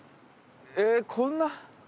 えっこんな。